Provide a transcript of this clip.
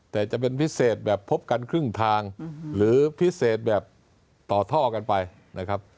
แต่จะเป็นพิเศษแบบพบกันครึ่งทางหรือพิเศษแบบต่อท่อกันไปนะครับ